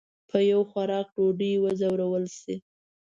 په یو خوراک ډوډۍ وځورول شي.